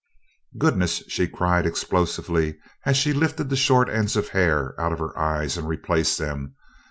"Goodness!" she cried explosively, as she lifted the short ends of hair out of her eyes and replaced them.